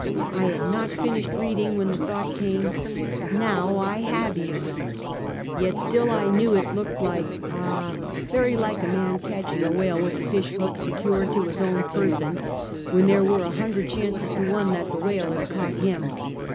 I had not finished reading, when the thought came: ^' ISTow I|have you." Yet still I knew it looked like, ah,, very like a man catching a whale with a fish hook secured to his own person, when there were a hundred chances to one that the whale had caught him.